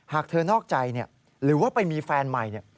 หากเธอนอกใจหรือว่าไปมีแฟนใหม่